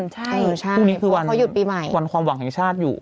ใช่เพราะวันพรุ่งนี้คือวันความหวังของชาติอยู่